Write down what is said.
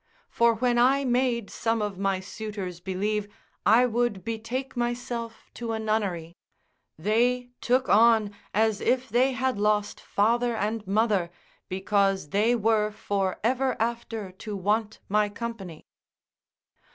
For when I made some of my suitors believe I would betake myself to a nunnery, they took on, as if they had lost father and mother, because they were for ever after to want my company.